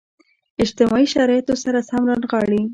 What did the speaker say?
اجتماعي شرایطو سره سم رانغاړي.